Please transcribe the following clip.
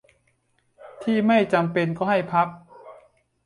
ที่ไม่จำเป็นก็ให้พับ